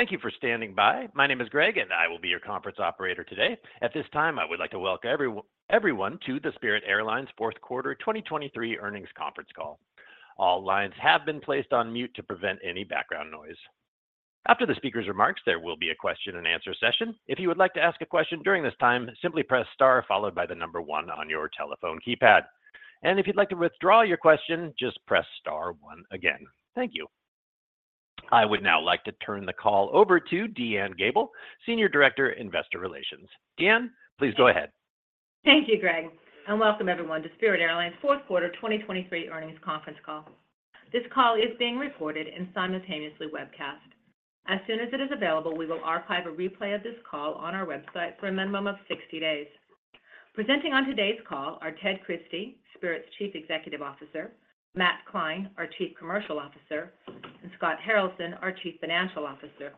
Thank you for standing by. My name is Greg, and I will be your conference operator today. At this time, I would like to welcome everyone to the Spirit Airlines Fourth Quarter 2023 Earnings Conference Call. All lines have been placed on mute to prevent any background noise. After the speaker's remarks, there will be a question-and-answer session. If you would like to ask a question during this time, simply press star followed by the number one on your telephone keypad. And if you'd like to withdraw your question, just press star one again. Thank you. I would now like to turn the call over to DeAnne Gabel, Senior Director, Investor Relations. DeAnne, please go ahead. Thank you, Greg, and welcome everyone to Spirit Airlines' Fourth Quarter 2023 Earnings Conference Call. This call is being recorded and simultaneously webcast. As soon as it is available, we will archive a replay of this call on our website for a minimum of 60 days. Presenting on today's call are Ted Christie, Spirit's Chief Executive Officer, Matt Klein, our Chief Commercial Officer, and Scott Haralson, our Chief Financial Officer.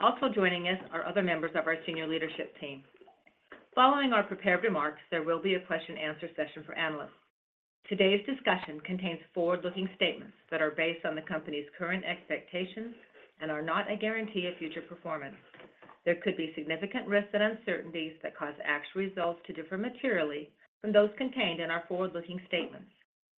Also joining us are other members of our senior leadership team. Following our prepared remarks, there will be a question-and-answer session for analysts. Today's discussion contains forward-looking statements that are based on the company's current expectations and are not a guarantee of future performance. There could be significant risks and uncertainties that cause actual results to differ materially from those contained in our forward-looking statements,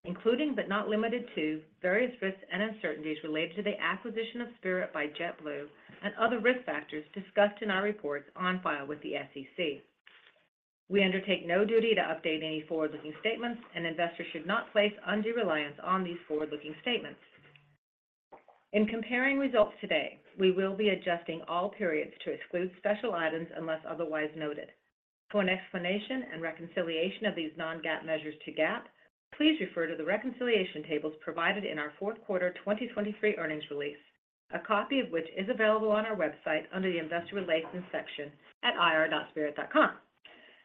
including, but not limited to, various risks and uncertainties related to the acquisition of Spirit by JetBlue and other risk factors discussed in our reports on file with the SEC. We undertake no duty to update any forward-looking statements, and investors should not place undue reliance on these forward-looking statements. In comparing results today, we will be adjusting all periods to exclude special items unless otherwise noted. For an explanation and reconciliation of these non-GAAP measures to GAAP, please refer to the reconciliation tables provided in our fourth quarter 2023 earnings release, a copy of which is available on our website under the Investor Relations section at ir.spirit.com.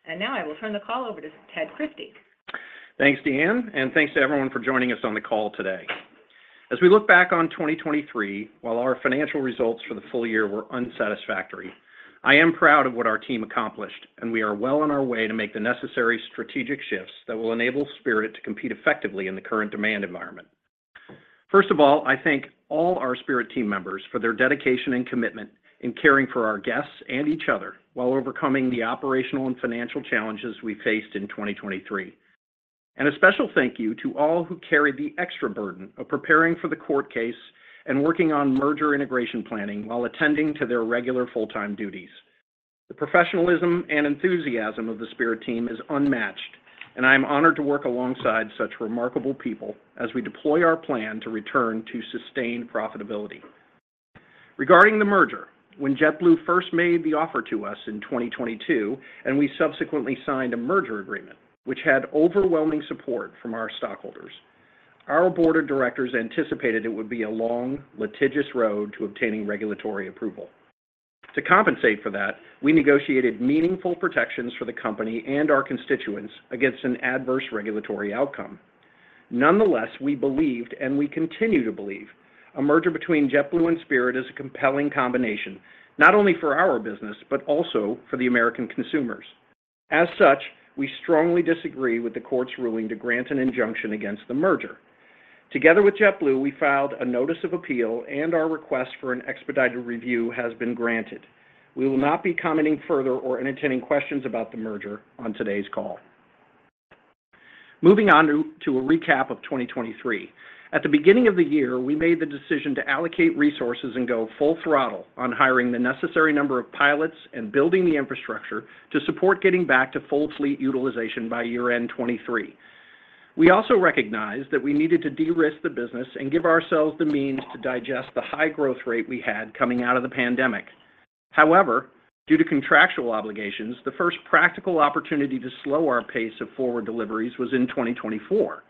And now, I will turn the call over to Ted Christie. Thanks, DeAnne, and thanks to everyone for joining us on the call today. As we look back on 2023, while our financial results for the full year were unsatisfactory, I am proud of what our team accomplished, and we are well on our way to make the necessary strategic shifts that will enable Spirit to compete effectively in the current demand environment. First of all, I thank all our Spirit team members for their dedication and commitment in caring for our guests and each other while overcoming the operational and financial challenges we faced in 2023. A special thank you to all who carried the extra burden of preparing for the court case and working on merger integration planning while attending to their regular full-time duties. The professionalism and enthusiasm of the Spirit team is unmatched, and I am honored to work alongside such remarkable people as we deploy our plan to return to sustained profitability. Regarding the merger, when JetBlue first made the offer to us in 2022, and we subsequently signed a merger agreement, which had overwhelming support from our stockholders, our board of directors anticipated it would be a long, litigious road to obtaining regulatory approval. To compensate for that, we negotiated meaningful protections for the company and our constituents against an adverse regulatory outcome. Nonetheless, we believed, and we continue to believe, a merger between JetBlue and Spirit is a compelling combination, not only for our business, but also for the American consumers. As such, we strongly disagree with the court's ruling to grant an injunction against the merger. Together with JetBlue, we filed a notice of appeal, and our request for an expedited review has been granted. We will not be commenting further or entertaining questions about the merger on today's call. Moving on to a recap of 2023. At the beginning of the year, we made the decision to allocate resources and go full throttle on hiring the necessary number of pilots and building the infrastructure to support getting back to full fleet utilization by year-end 2023. We also recognized that we needed to de-risk the business and give ourselves the means to digest the high growth rate we had coming out of the pandemic. However, due to contractual obligations, the first practical opportunity to slow our pace of forward deliveries was in 2024.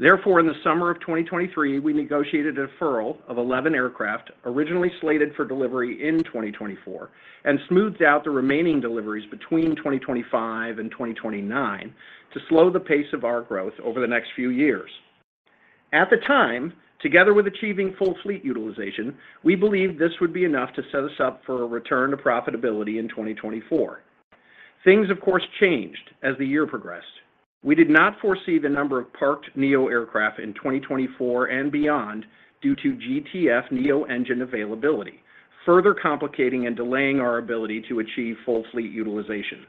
Therefore, in the summer of 2023, we negotiated a deferral of 11 aircraft, originally slated for delivery in 2024, and smoothed out the remaining deliveries between 2025 and 2029 to slow the pace of our growth over the next few years. At the time, together with achieving full fleet utilization, we believed this would be enough to set us up for a return to profitability in 2024. Things, of course, changed as the year progressed. We did not foresee the number of parked neo-aircraft in 2024 and beyond due to GTF neo-engine availability, further complicating and delaying our ability to achieve full fleet utilization.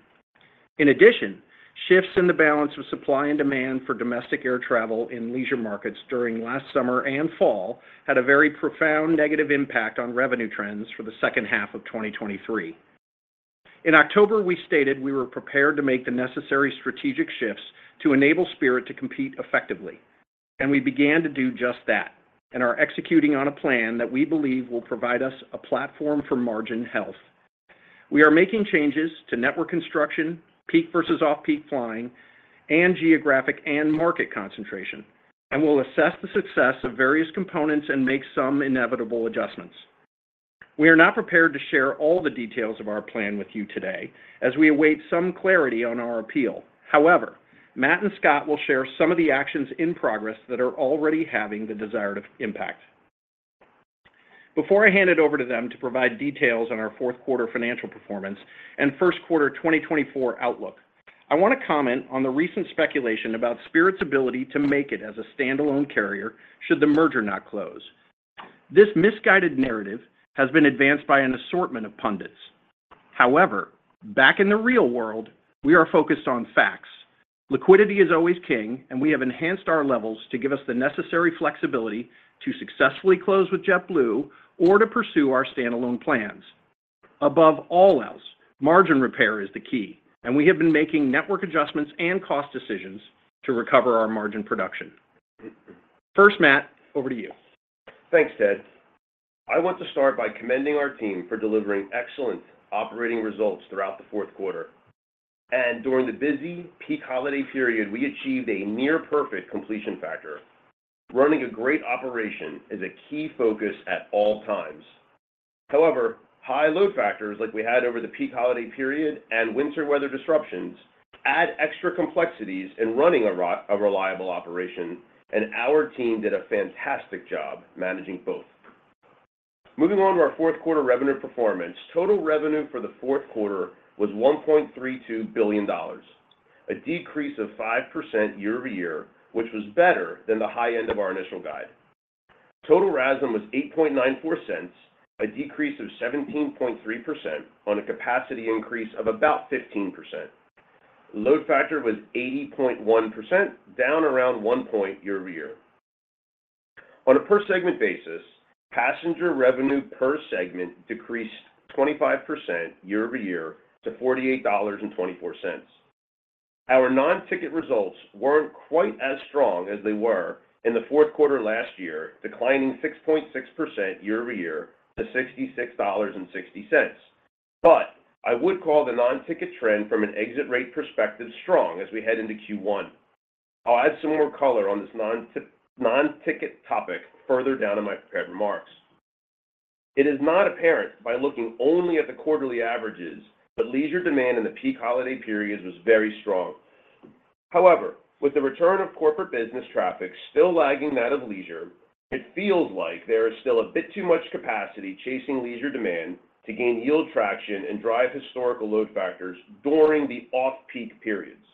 In addition, shifts in the balance of supply and demand for domestic air travel in leisure markets during last summer and fall had a very profound negative impact on revenue trends for the second half of 2023. In October, we stated we were prepared to make the necessary strategic shifts to enable Spirit to compete effectively, and we began to do just that and are executing on a plan that we believe will provide us a platform for margin health. We are making changes to network construction, peak versus off-peak flying, and geographic and market concentration, and we'll assess the success of various components and make some inevitable adjustments. We are not prepared to share all the details of our plan with you today as we await some clarity on our appeal. However, Matt and Scott will share some of the actions in progress that are already having the desired impact. Before I hand it over to them to provide details on our fourth quarter financial performance and first quarter 2024 outlook.... I want to comment on the recent speculation about Spirit's ability to make it as a standalone carrier, should the merger not close. This misguided narrative has been advanced by an assortment of pundits. However, back in the real world, we are focused on facts. Liquidity is always king, and we have enhanced our levels to give us the necessary flexibility to successfully close with JetBlue or to pursue our standalone plans. Above all else, margin repair is the key, and we have been making network adjustments and cost decisions to recover our margin production. First, Matt, over to you. Thanks, Ted. I want to start by commending our team for delivering excellent operating results throughout the fourth quarter. During the busy peak holiday period, we achieved a near-perfect completion factor. Running a great operation is a key focus at all times. However, high load factors like we had over the peak holiday period and winter weather disruptions add extra complexities in running a reliable operation, and our team did a fantastic job managing both. Moving on to our fourth quarter revenue performance, total revenue for the fourth quarter was $1.32 billion, a decrease of 5% year-over-year, which was better than the high end of our initial guide. Total RASM was $0.0894, a decrease of 17.3% on a capacity increase of about 15%. Load factor was 80.1%, down around 1% year-over-year. On a per segment basis, passenger revenue per segment decreased 25% year-over-year to $48.24. Our non-ticket results weren't quite as strong as they were in the fourth quarter last year, declining 6.6% year-over-year to $66.60. But I would call the non-ticket trend from an exit rate perspective strong as we head into Q1. I'll add some more color on this non-ticket topic further down in my prepared remarks. It is not apparent by looking only at the quarterly averages, but leisure demand in the peak holiday periods was very strong. However, with the return of corporate business traffic still lagging that of leisure, it feels like there is still a bit too much capacity chasing leisure demand to gain yield traction and drive historical load factors during the off-peak periods.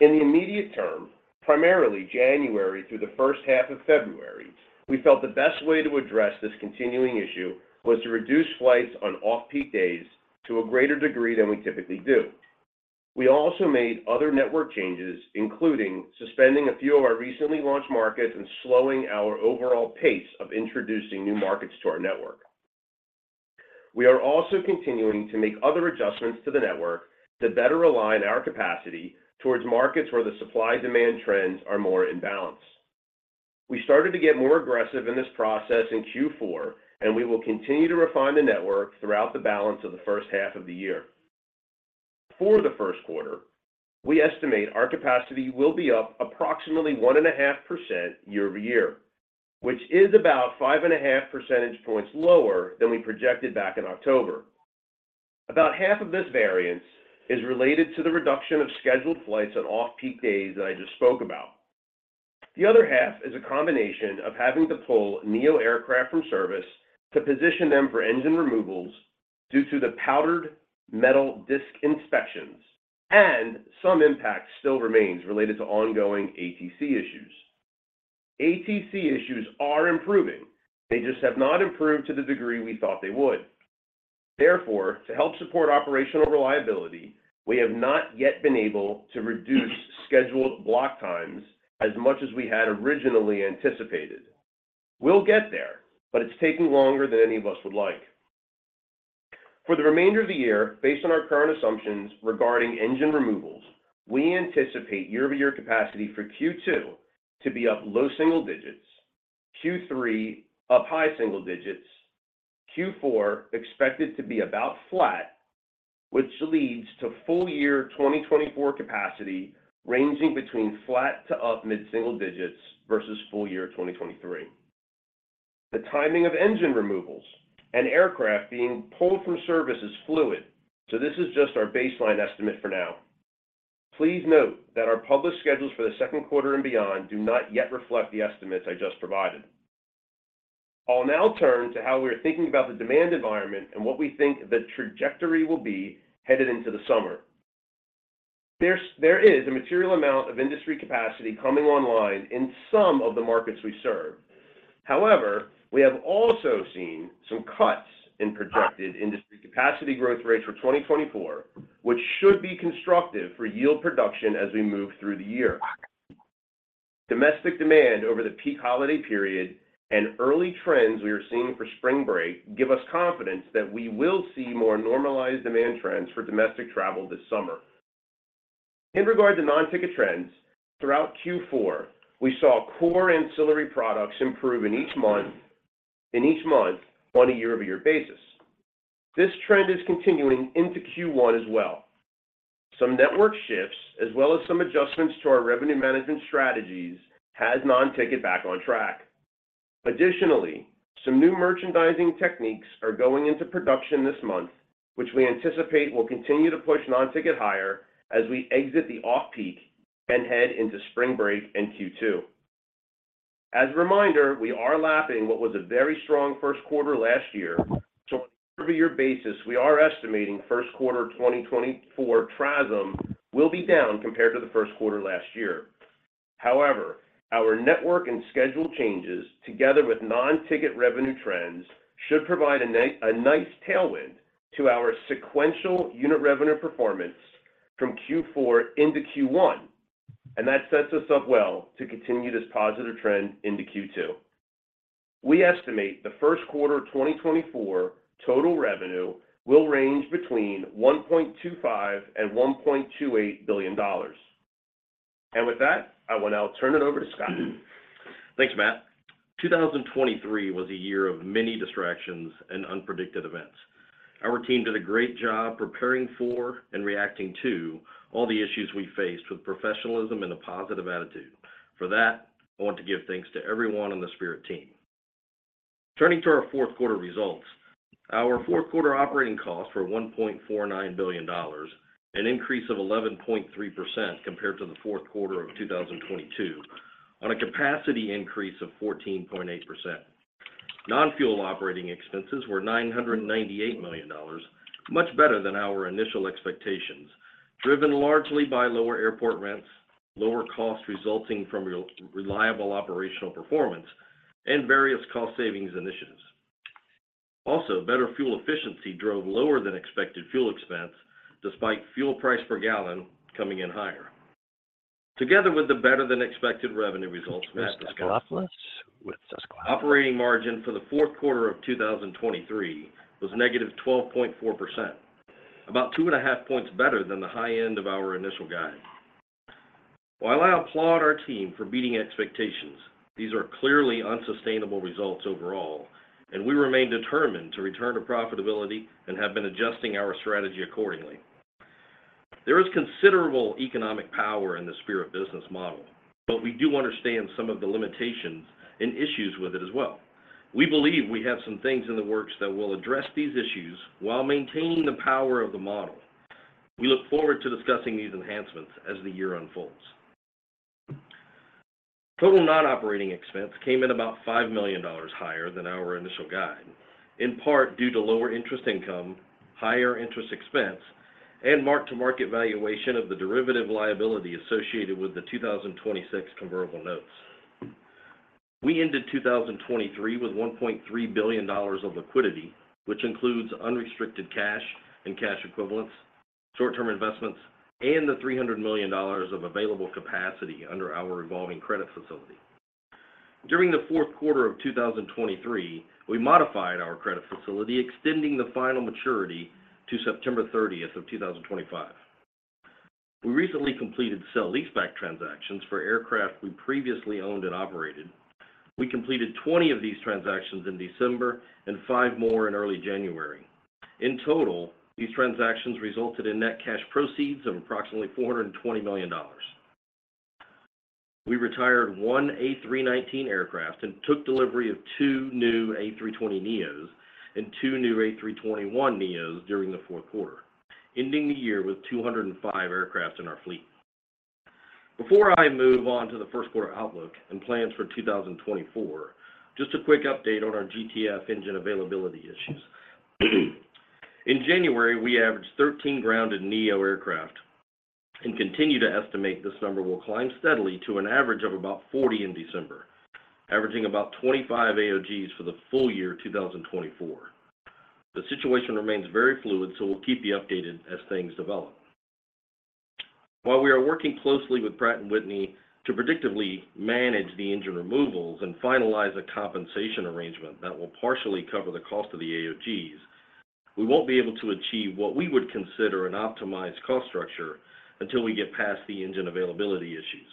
In the immediate term, primarily January through the first half of February, we felt the best way to address this continuing issue was to reduce flights on off-peak days to a greater degree than we typically do. We also made other network changes, including suspending a few of our recently launched markets and slowing our overall pace of introducing new markets to our network. We are also continuing to make other adjustments to the network to better align our capacity towards markets where the supply-demand trends are more in balance. We started to get more aggressive in this process in Q4, and we will continue to refine the network throughout the balance of the first half of the year. For the first quarter, we estimate our capacity will be up approximately 1.5% year-over-year, which is about 5.5 percentage points lower than we projected back in October. About half of this variance is related to the reduction of scheduled flights on off-peak days that I just spoke about. The other half is a combination of having to pull neo aircraft from service to position them for engine removals due to the powdered metal disc inspections, and some impact still remains related to ongoing ATC issues. ATC issues are improving, they just have not improved to the degree we thought they would. Therefore, to help support operational reliability, we have not yet been able to reduce scheduled block times as much as we had originally anticipated. We'll get there, but it's taking longer than any of us would like. For the remainder of the year, based on our current assumptions regarding engine removals, we anticipate year-over-year capacity for Q2 to be up low single digits, Q3 up high single digits, Q4 expected to be about flat, which leads to full year 2024 capacity ranging between flat to up mid-single digits versus full year 2023. The timing of engine removals and aircraft being pulled from service is fluid, so this is just our baseline estimate for now. Please note that our published schedules for the second quarter and beyond do not yet reflect the estimates I just provided. I'll now turn to how we are thinking about the demand environment and what we think the trajectory will be headed into the summer. There is a material amount of industry capacity coming online in some of the markets we serve. However, we have also seen some cuts in projected industry capacity growth rates for 2024, which should be constructive for yield production as we move through the year. Domestic demand over the peak holiday period and early trends we are seeing for spring break give us confidence that we will see more normalized demand trends for domestic travel this summer. In regard to non-ticket trends, throughout Q4, we saw core ancillary products improve in each month, in each month on a year-over-year basis. This trend is continuing into Q1 as well. Some network shifts, as well as some adjustments to our revenue management strategies, has non-ticket back on track. Additionally, some new merchandising techniques are going into production this month, which we anticipate will continue to push non-ticket higher as we exit the off-peak and head into spring break in Q2. As a reminder, we are lapping what was a very strong first quarter last year. So on a year-over-year basis, we are estimating first quarter 2024 TRASM will be down compared to the first quarter last year. However, our network and schedule changes, together with non-ticket revenue trends, should provide a nice tailwind to our sequential unit revenue performance from Q4 into Q1, and that sets us up well to continue this positive trend into Q2. We estimate the first quarter of 2024 total revenue will range between $1.25 billion and $1.28 billion. With that, I will now turn it over to Scott. Thanks, Matt. 2023 was a year of many distractions and unpredicted events. Our team did a great job preparing for and reacting to all the issues we faced with professionalism and a positive attitude. For that, I want to give thanks to everyone on the Spirit team. Turning to our fourth quarter results, our fourth quarter operating costs were $1.49 billion, an increase of 11.3% compared to the fourth quarter of 2022, on a capacity increase of 14.8%. Non-fuel operating expenses were $998 million, much better than our initial expectations, driven largely by lower airport rents, lower costs resulting from reliable operational performance, and various cost savings initiatives. Also, better fuel efficiency drove lower than expected fuel expense, despite fuel price per gallon coming in higher. Together with the better-than-expected revenue results- Mr. Stathopoulos with Susquehanna Operating margin for the fourth quarter of 2023 was -12.4%, about 2.5 points better than the high end of our initial guide. While I applaud our team for beating expectations, these are clearly unsustainable results overall, and we remain determined to return to profitability and have been adjusting our strategy accordingly. There is considerable economic power in the Spirit business model, but we do understand some of the limitations and issues with it as well. We believe we have some things in the works that will address these issues while maintaining the power of the model. We look forward to discussing these enhancements as the year unfolds. Total non-operating expense came in about $5 million higher than our initial guide, in part due to lower interest income, higher interest expense, and mark-to-market valuation of the derivative liability associated with the 2026 convertible notes. We ended 2023 with $1.3 billion of liquidity, which includes unrestricted cash and cash equivalents, short-term investments, and the $300 million of available capacity under our revolving credit facility. During the fourth quarter of 2023, we modified our credit facility, extending the final maturity to September 30th of 2025. We recently completed sale-leaseback transactions for aircraft we previously owned and operated. We completed 20 of these transactions in December and five more in early January. In total, these transactions resulted in net cash proceeds of approximately $420 million. We retired one A319 aircraft and took delivery of two new A320neos and two new A321neos during the fourth quarter, ending the year with 205 aircraft in our fleet. Before I move on to the first quarter outlook and plans for 2024, just a quick update on our GTF engine availability issues. In January, we averaged 13 grounded neo aircraft and continue to estimate this number will climb steadily to an average of about 40 in December, averaging about 25 AOGs for the full year 2024. The situation remains very fluid, so we'll keep you updated as things develop. While we are working closely with Pratt & Whitney to predictively manage the engine removals and finalize a compensation arrangement that will partially cover the cost of the AOGs, we won't be able to achieve what we would consider an optimized cost structure until we get past the engine availability issues.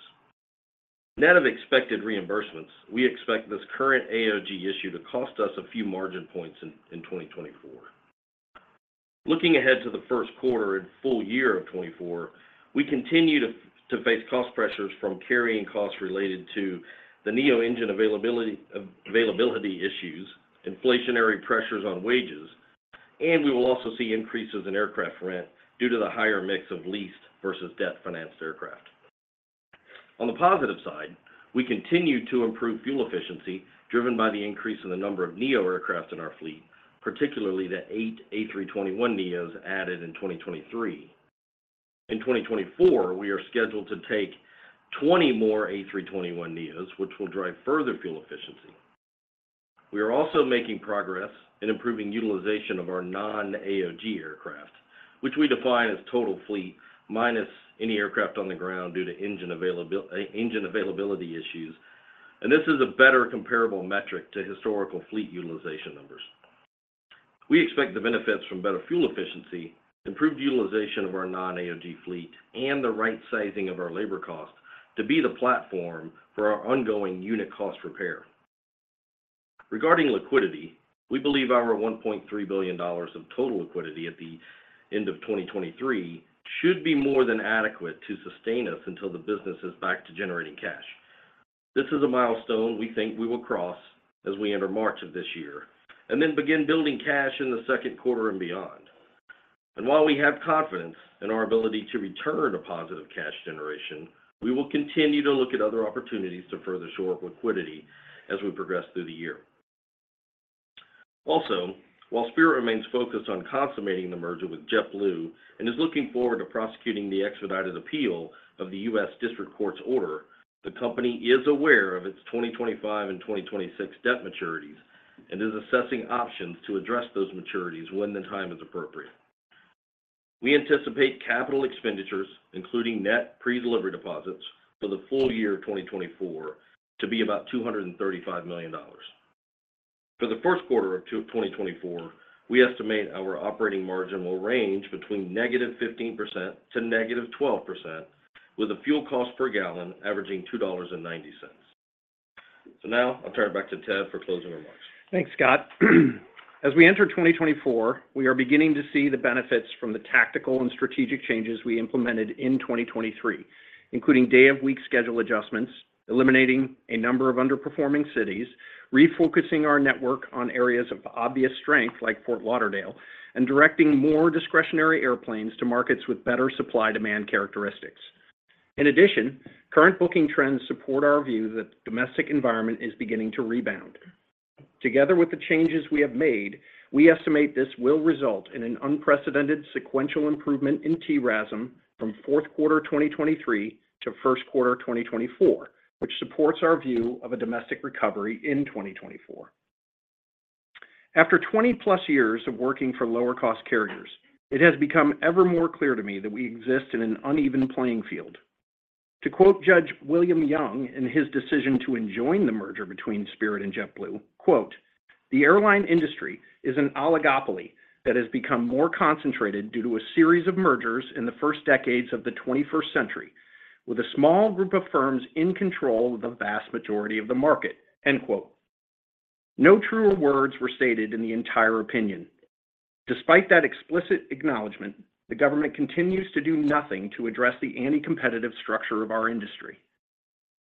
Net of expected reimbursements, we expect this current AOG issue to cost us a few margin points in 2024. Looking ahead to the first quarter and full year of 2024, we continue to face cost pressures from carrying costs related to the NEO engine availability issues, inflationary pressures on wages, and we will also see increases in aircraft rent due to the higher mix of leased versus debt-financed aircraft. On the positive side, we continue to improve fuel efficiency, driven by the increase in the number of neo aircraft in our fleet, particularly the 8 A321neos added in 2023. In 2024, we are scheduled to take 20 more A321neos, which will drive further fuel efficiency. We are also making progress in improving utilization of our non-AOG aircraft, which we define as total fleet, minus any aircraft on the ground due to engine availability issues, and this is a better comparable metric to historical fleet utilization numbers. We expect the benefits from better fuel efficiency, improved utilization of our non-AOG fleet, and the right sizing of our labor costs to be the platform for our ongoing unit cost repair. Regarding liquidity, we believe our $1.3 billion of total liquidity at the end of 2023 should be more than adequate to sustain us until the business is back to generating cash. This is a milestone we think we will cross as we enter March of this year, and then begin building cash in the second quarter and beyond. While we have confidence in our ability to return a positive cash generation, we will continue to look at other opportunities to further shore up liquidity as we progress through the year. Also, while Spirit remains focused on consummating the merger with JetBlue and is looking forward to prosecuting the expedited appeal of the U.S. District Court's order, the company is aware of its 2025 and 2026 debt maturities and is assessing options to address those maturities when the time is appropriate. We anticipate capital expenditures, including net pre-delivery deposits, for the full year of 2024 to be about $235 million. For the first quarter of 2024, we estimate our operating margin will range between -15% to -12%, with a fuel cost per gallon averaging $2.90. So now I'll turn it back to Ted for closing remarks. Thanks, Scott. As we enter 2024, we are beginning to see the benefits from the tactical and strategic changes we implemented in 2023, including day-of-week schedule adjustments, eliminating a number of underperforming cities, refocusing our network on areas of obvious strength, like Fort Lauderdale, and directing more discretionary airplanes to markets with better supply-demand characteristics. In addition, current booking trends support our view that the domestic environment is beginning to rebound. Together with the changes we have made, we estimate this will result in an unprecedented sequential improvement in TRASM from fourth quarter 2023 to first quarter 2024, which supports our view of a domestic recovery in 2024. After 20+ years of working for lower-cost carriers, it has become ever more clear to me that we exist in an uneven playing field. To quote Judge William Young in his decision to enjoin the merger between Spirit and JetBlue, quote, "The airline industry is an oligopoly that has become more concentrated due to a series of mergers in the first decades of the twenty-first century, with a small group of firms in control of the vast majority of the market." End quote. No truer words were stated in the entire opinion. Despite that explicit acknowledgment, the government continues to do nothing to address the anti-competitive structure of our industry.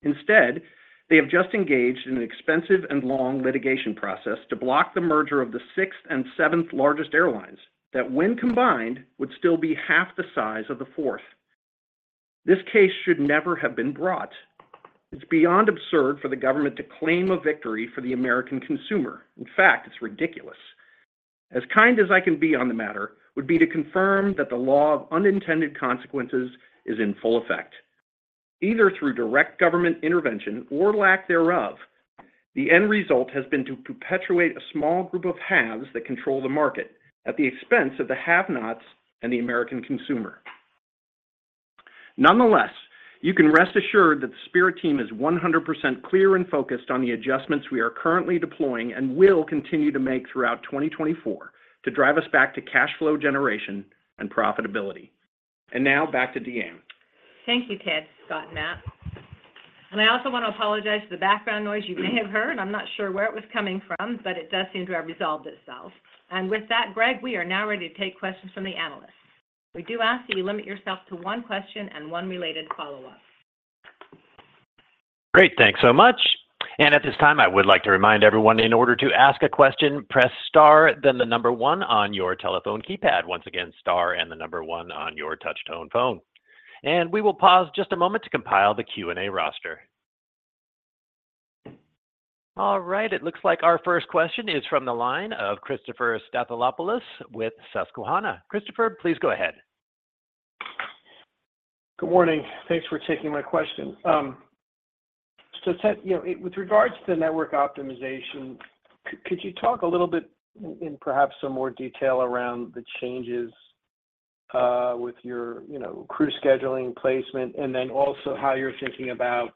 Instead, they have just engaged in an expensive and long litigation process to block the merger of the sixth and seventh largest airlines, that when combined, would still be half the size of the fourth. This case should never have been brought. It's beyond absurd for the government to claim a victory for the American consumer. In fact, it's ridiculous. As kind as I can be on the matter, would be to confirm that the law of unintended consequences is in full effect. Either through direct government intervention or lack thereof, the end result has been to perpetuate a small group of haves that control the market at the expense of the have-nots and the American consumer. Nonetheless, you can rest assured that the Spirit team is 100% clear and focused on the adjustments we are currently deploying and will continue to make throughout 2024 to drive us back to cash flow generation and profitability. Now back to DeAnne. Thank you, Ted, Scott, and Matt. I also want to apologize for the background noise you may have heard. I'm not sure where it was coming from, but it does seem to have resolved itself. With that, Greg, we are now ready to take questions from the analysts. We do ask that you limit yourself to one question and one related follow-up. Great, thanks so much. And at this time, I would like to remind everyone, in order to ask a question, press star, then the number one on your telephone keypad. Once again, star and the number one on your touch-tone phone. And we will pause just a moment to compile the Q&A roster. All right, it looks like our first question is from the line of Christopher Stathopoulos with Susquehanna. Christopher, please go ahead. Good morning. Thanks for taking my question. So Ted, you know, with regards to the network optimization, could you talk a little bit in perhaps some more detail around the changes with your, you know, crew scheduling placement, and then also how you're thinking about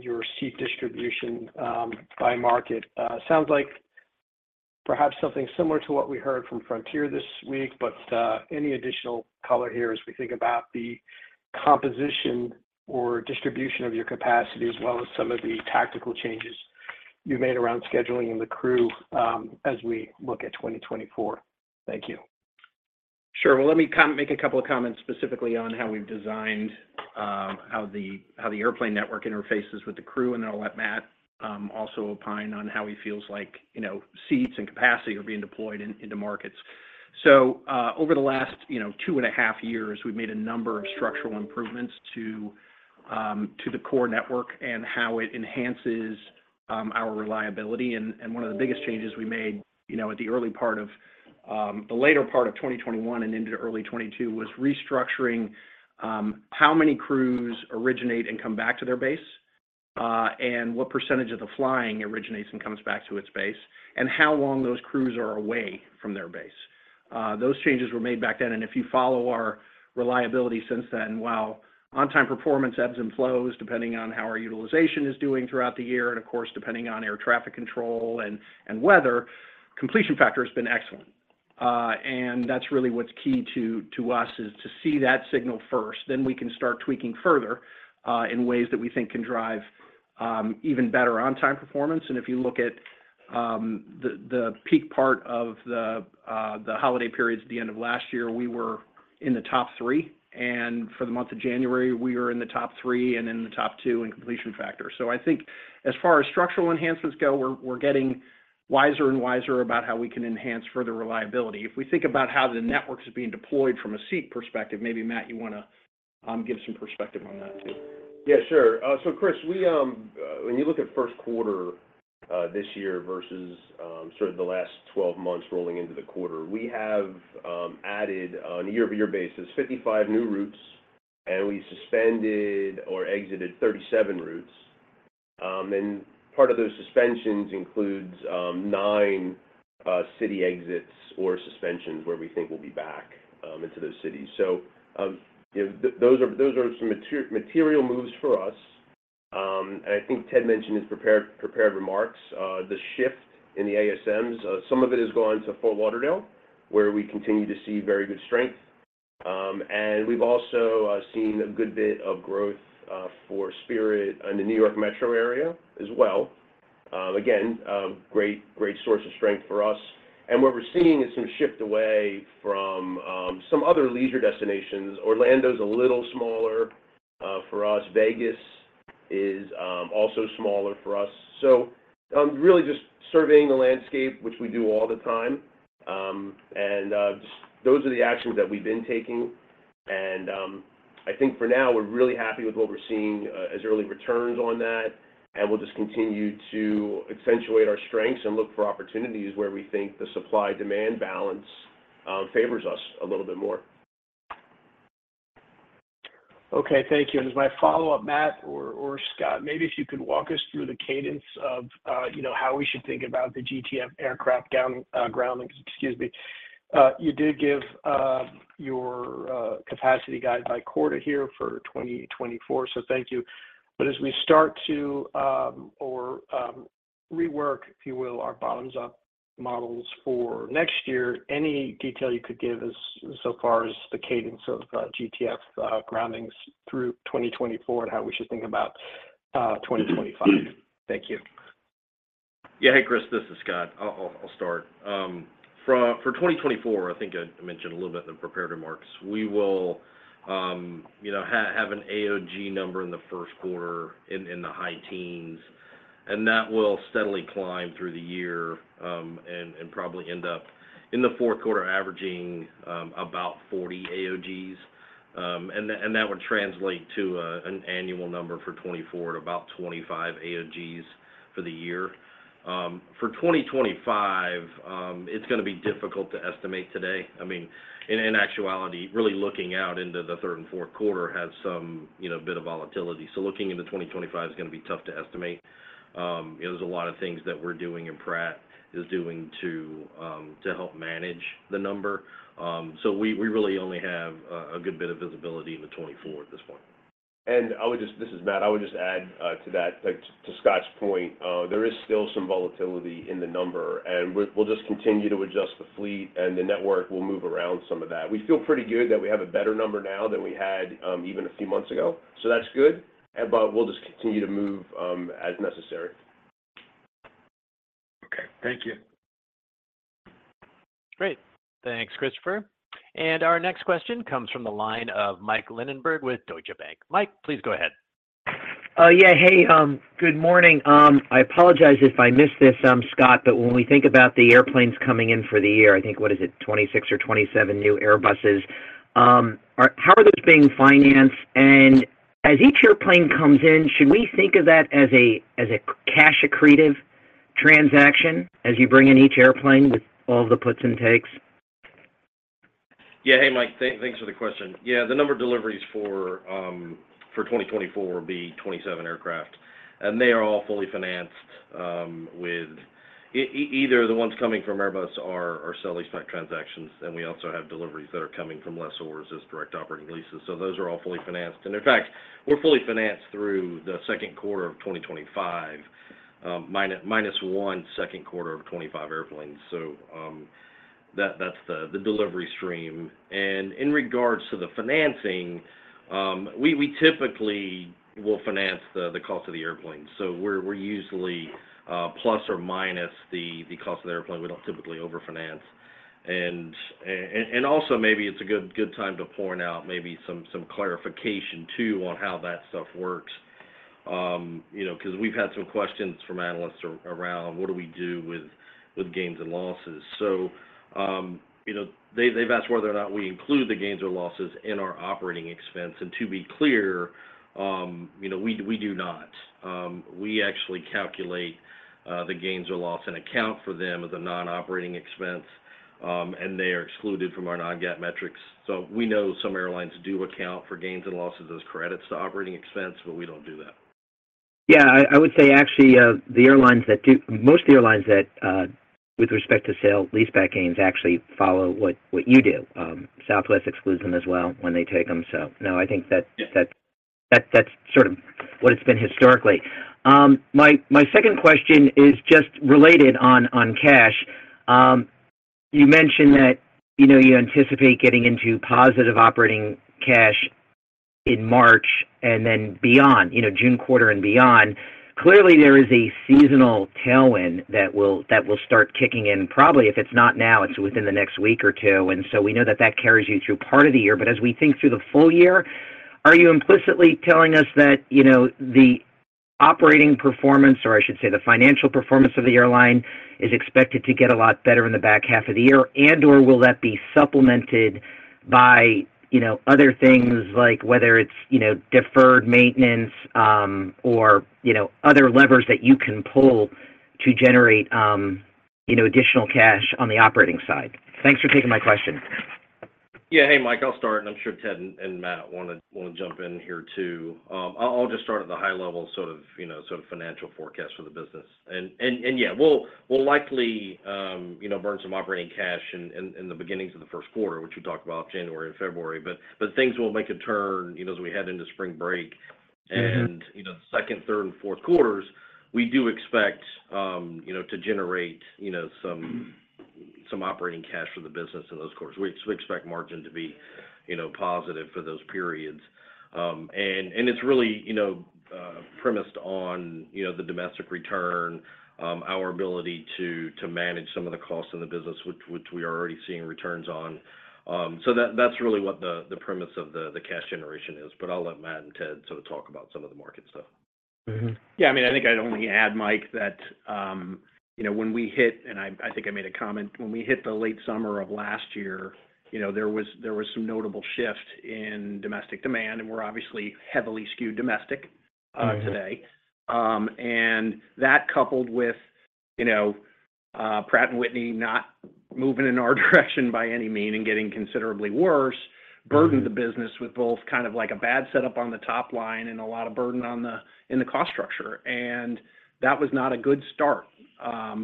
your seat distribution by market? Sounds like perhaps something similar to what we heard from Frontier this week, but any additional color here as we think about the composition or distribution of your capacity, as well as some of the tactical changes you made around scheduling and the crew, as we look at 2024. Thank you. Sure. Well, let me make a couple of comments specifically on how we've designed how the airplane network interfaces with the crew, and then I'll let Matt also opine on how he feels like, you know, seats and capacity are being deployed into markets. So, over the last, you know, two and a half years, we've made a number of structural improvements to the core network and how it enhances our reliability. And one of the biggest changes we made, you know, at the early part of the later part of 2021 and into early 2022, was restructuring how many crews originate and come back to their base, and what percentage of the flying originates and comes back to its base, and how long those crews are away from their base. Those changes were made back then, and if you follow our reliability since then, while on-time performance ebbs and flows, depending on how our utilization is doing throughout the year, and of course, depending on air traffic control and weather, completion factor has been excellent. And that's really what's key to us is to see that signal first, then we can start tweaking further in ways that we think can drive even better on-time performance. And if you look at the peak part of the holiday periods at the end of last year, we were in the top three, and for the month of January, we are in the top three and in the top two in completion factor. So I think as far as structural enhancements go, we're getting wiser and wiser about how we can enhance further reliability. If we think about how the network is being deployed from a seat perspective, maybe, Matt, you want to give some perspective on that too? Yeah, sure. So Chris, we, when you look at first quarter this year versus sort of the last 12 months rolling into the quarter, we have added on a year-over-year basis, 55 new routes, and we suspended or exited 37 routes. And part of those suspensions includes nine city exits or suspensions where we think we'll be back into those cities. So you know, those are some material moves for us. And I think Ted mentioned his prepared remarks, the shift in the ASMs. Some of it has gone to Fort Lauderdale, where we continue to see very good strength. And we've also seen a good bit of growth for Spirit in the New York metro area as well. Again, a great, great source of strength for us, and what we're seeing is some shift away from some other leisure destinations. Orlando is a little smaller for us. Las Vegas is also smaller for us. So, really just surveying the landscape, which we do all the time, and just those are the actions that we've been taking. And, I think for now, we're really happy with what we're seeing, as early returns on that, and we'll just continue to accentuate our strengths and look for opportunities where we think the supply-demand balance favors us a little bit more. Okay, thank you. And as my follow-up, Matt or Scott, maybe if you could walk us through the cadence of, you know, how we should think about the GTF aircraft down grounding. You did give your capacity guide by quarter here for 2024, so thank you. But as we start to rework, if you will, our bottoms-up models for next year, any detail you could give as far as the cadence of GTF groundings through 2024 and how we should think about 2025? Thank you. Yeah. Hey, Chris, this is Scott. I'll start. For 2024, I think I mentioned a little bit in the prepared remarks, we will, you know, have an AOG number in the first quarter in the high teens, and that will steadily climb through the year, and probably end up in the fourth quarter, averaging about 40 AOGs. And that would translate to an annual number for 2024 at about 25 AOGs for the year. For 2025, it's going to be difficult to estimate today. I mean, in actuality, really looking out into the third and fourth quarter has some, you know, bit of volatility. So looking into 2025 is going to be tough to estimate. There's a lot of things that we're doing and Pratt is doing to, to help manage the number. So we really only have a good bit of visibility into 2024 at this point. And I would just, this is Matt. I would just add, to that, like, to Scott's point, there is still some volatility in the number, and we'll just continue to adjust the fleet, and the network will move around some of that. We feel pretty good that we have a better number now than we had, even a few months ago, so that's good, but we'll just continue to move, as necessary. Okay. Thank you. Great. Thanks, Christopher. Our next question comes from the line of Mike Linenberg with Deutsche Bank. Mike, please go ahead. Yeah. Hey, good morning. I apologize if I missed this, Scott, but when we think about the airplanes coming in for the year, I think, what is it? 26 or 27 new Airbuses. Are- how are those being financed? And as each airplane comes in, should we think of that as a, as a c- cash accretive transaction, as you bring in each airplane with all the puts and takes? Yeah. Hey, Mike, thanks for the question. Yeah, the number of deliveries for 2024 will be 27 aircraft, and they are all fully financed with either the ones coming from Airbus are sale-leaseback transactions, and we also have deliveries that are coming from lessors as direct operating leases. So those are all fully financed. And in fact, we're fully financed through the second quarter of 2025, minus one second quarter of 2025 airplanes. So that, that's the delivery stream. And in regards to the financing, we typically will finance the cost of the airplane. So we're usually plus or minus the cost of the airplane. We don't typically overfinance. And also, maybe it's a good time to point out maybe some clarification, too, on how that stuff works. You know, because we've had some questions from analysts around what do we do with gains and losses? So, you know, they've asked whether or not we include the gains or losses in our operating expense. And to be clear, you know, we do not. We actually calculate the gains or loss and account for them as a non-operating expense, and they are excluded from our non-GAAP metrics. So we know some airlines do account for gains and losses as credits to operating expense, but we don't do that. Yeah, I would say actually, most airlines that, with respect to sale-leaseback gains, actually follow what you do. Southwest excludes them as well when they take them. So no, I think that- Yeah... that, that's sort of what it's been historically. My second question is just related to cash. You mentioned that, you know, you anticipate getting into positive operating cash in March and then beyond, you know, June quarter and beyond, clearly there is a seasonal tailwind that will start kicking in, probably if it's not now, it's within the next week or two. And so we know that that carries you through part of the year. But as we think through the full year, are you implicitly telling us that, you know, the operating performance, or I should say, the financial performance of the airline is expected to get a lot better in the back half of the year? Or will that be supplemented by, you know, other things like whether it's, you know, deferred maintenance, or, you know, other levers that you can pull to generate, you know, additional cash on the operating side? Thanks for taking my question. Yeah. Hey, Mike, I'll start, and I'm sure Ted and Matt want to jump in here too. I'll just start at the high level, sort of, you know, sort of financial forecast for the business. And yeah, we'll likely, you know, burn some operating cash in the beginnings of the first quarter, which we talked about January and February. But things will make a turn, you know, as we head into spring break. Mm-hmm. And, you know, the second, third, and fourth quarters, we do expect you know to generate you know some operating cash for the business in those quarters. We expect margin to be, you know, positive for those periods. And it's really, you know, premised on, you know, the domestic return, our ability to manage some of the costs in the business, which we are already seeing returns on. So that's really what the premise of the cash generation is, but I'll let Matt and Ted sort of talk about some of the market stuff. Mm-hmm. Yeah, I mean, I think I'd only add, Mike, that, you know, when we hit-- and I, I think I made a comment, when we hit the late summer of last year, you know, there was, there was some notable shift in domestic demand, and we're obviously heavily skewed domestic, today. Mm-hmm. And that coupled with, you know, Pratt & Whitney not moving in our direction by any means and getting considerably worse- Mm-hmm ...burdened the business with both kind of like a bad setup on the top line and a lot of burden in the cost structure. That was not a good start,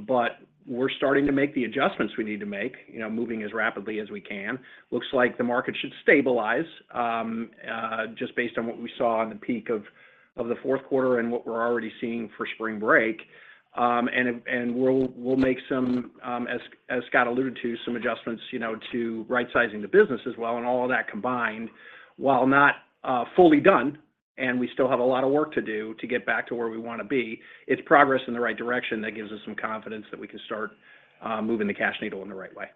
but we're starting to make the adjustments we need to make, you know, moving as rapidly as we can. Looks like the market should stabilize, just based on what we saw on the peak of the fourth quarter and what we're already seeing for spring break. And we'll make some, as Scott alluded to, some adjustments, you know, to right-sizing the business as well, and all of that combined, while not fully done, and we still have a lot of work to do to get back to where we want to be, it's progress in the right direction that gives us some confidence that we can start moving the cash needle in the right way.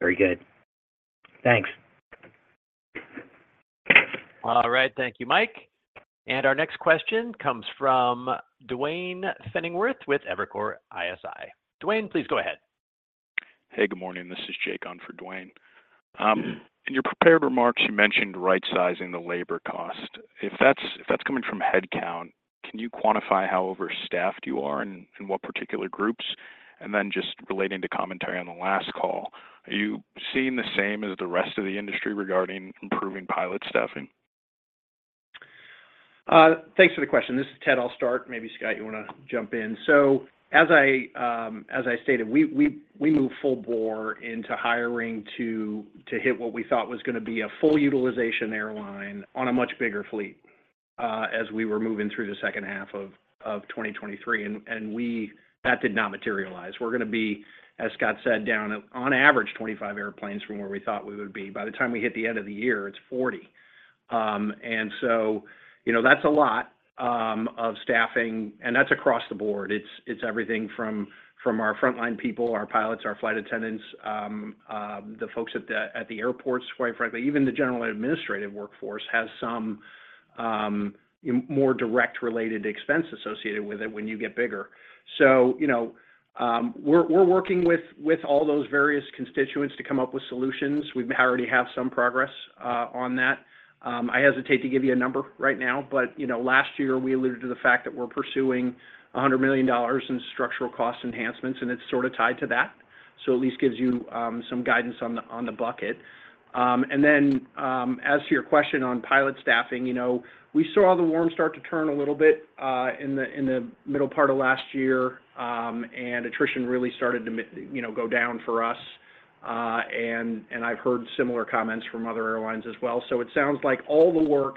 Very good. Thanks. All right. Thank you, Mike. Our next question comes from Duane Pfennigwerth with Evercore ISI. Duane, please go ahead. Hey, good morning. This is Jake on for Duane. Mm-hmm. In your prepared remarks, you mentioned right-sizing the labor cost. If that's coming from headcount, can you quantify how overstaffed you are and what particular groups? Then just relating to commentary on the last call, are you seeing the same as the rest of the industry regarding improving pilot staffing? Thanks for the question. This is Ted. I'll start. Maybe, Scott, you want to jump in. So as I stated, we moved full bore into hiring to hit what we thought was going to be a full utilization airline on a much bigger fleet, as we were moving through the second half of 2023. And we, that did not materialize. We're going to be, as Scott said, down on average 25 airplanes from where we thought we would be. By the time we hit the end of the year, it's 40. And so, you know, that's a lot of staffing, and that's across the board. It's everything from our frontline people, our pilots, our flight attendants, the folks at the airports, quite frankly, even the general administrative workforce has some more direct related expense associated with it when you get bigger. So, you know, we're working with all those various constituents to come up with solutions. We already have some progress on that. I hesitate to give you a number right now, but, you know, last year we alluded to the fact that we're pursuing $100 million in structural cost enhancements, and it's sort of tied to that. So at least gives you some guidance on the bucket. And then, as to your question on pilot staffing, you know, we saw the worm start to turn a little bit in the middle part of last year, and attrition really started to go down for us. And I've heard similar comments from other airlines as well. So it sounds like all the work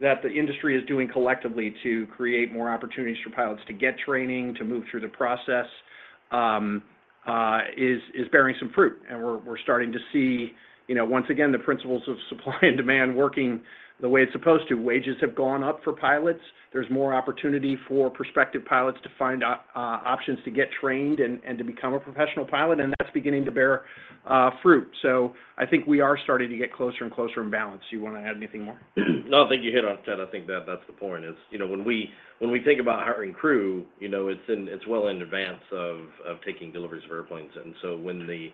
that the industry is doing collectively to create more opportunities for pilots to get training, to move through the process, is bearing some fruit. And we're starting to see, you know, once again, the principles of supply and demand working the way it's supposed to. Wages have gone up for pilots. There's more opportunity for prospective pilots to find options to get trained and to become a professional pilot, and that's beginning to bear fruit. So I think we are starting to get closer and closer in balance. You want to add anything more? No, I think you hit on it, Ted. I think that that's the point is, you know, when we think about hiring crew, you know, it's well in advance of taking deliveries of airplanes. And so when the,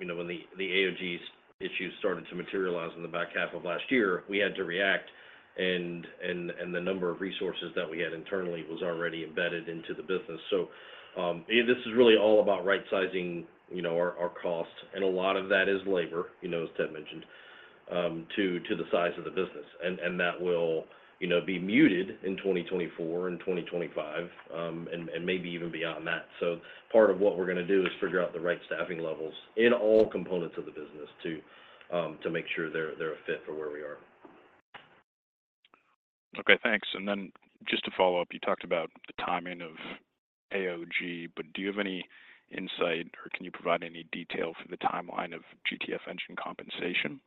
you know, when the AOG issues started to materialize in the back half of last year, we had to react, and the number of resources that we had internally was already embedded into the business. So, this is really all about right-sizing, you know, our costs, and a lot of that is labor, you know, as Ted mentioned, to the size of the business. And that will, you know, be muted in 2024 and 2025, and maybe even beyond that. Part of what we're going to do is figure out the right staffing levels in all components of the business to make sure they're a fit for where we are.... Okay, thanks. And then just to follow up, you talked about the timing of AOG, but do you have any insight, or can you provide any detail for the timeline of GTF engine compensation?